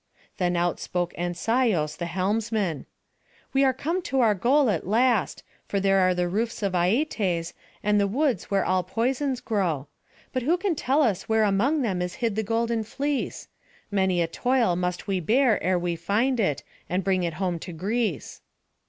Then out spoke Ancaios the helmsman: "We are come to our goal at last; for there are the roofs of Aietes, and the woods where all poisons grow; but who can tell us where among them is hid the golden fleece? Many a toil must we bear ere we find it, and bring it home to Greece."